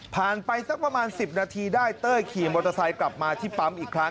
ไปสักประมาณ๑๐นาทีได้เต้ยขี่มอเตอร์ไซค์กลับมาที่ปั๊มอีกครั้ง